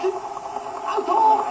「アウト！」。